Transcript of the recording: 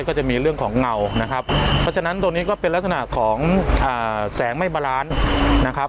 ก็จะมีเรื่องของเงาฉะนั้นตัวนี้ก็เป็นลักษณะของแสงไม่บาลานซ์